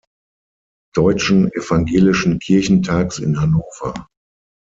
Deutschen Evangelischen Kirchentags in Hannover.